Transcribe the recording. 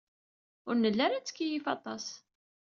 Ur nelli ara nettkeyyif aṭas.